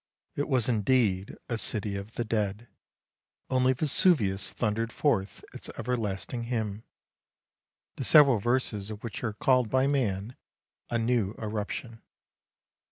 It was indeed a city of the dead, only Vesuvius thundered forth its everlasting hymn, the several verses of which are called by man, ' a new eruption.'